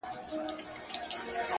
هوډ د نامعلومو لارو جرئت دی!.